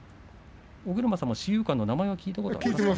尾車さんは志友館の名前は聞いたことがありますね。